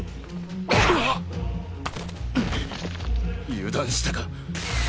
油断したか。